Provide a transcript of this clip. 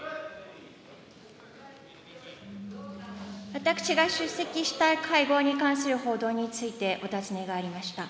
私が出席した会合に関する報道について、お尋ねがありました。